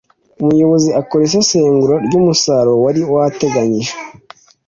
Umuyobozi akora isesengura ry umusaruro wari wateganyijwe